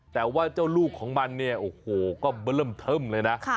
แต่ว่าเจ้าลูกของมันก็เบลิ่มเทิมเลยนะ